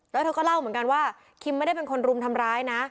แล้วเธอก็เล่าเหมือนกันว่าคิมไม่ได้เป็นคนรุมทำร้ายนะ